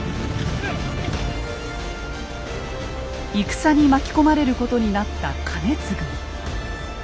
戦に巻き込まれることになった兼続。